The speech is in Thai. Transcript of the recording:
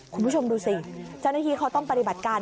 คุณผู้ชมดูสิเจ้าหน้าที่เขาต้องปฏิบัติการ